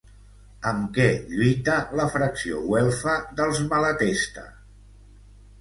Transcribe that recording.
Amb què lluita la fracció güelfa dels Malatesta?